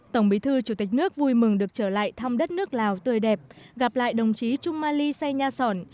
tổng bí thư chủ tịch nước vui mừng được trở lại thăm đất nước lào tươi đẹp gặp lại đồng chí trung mali say nha sòn